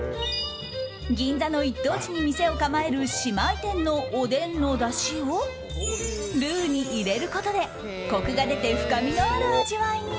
銀座の一等地に店を構える姉妹店のおでんのだしをルーに入れることでコクが出て深みのある味わいに。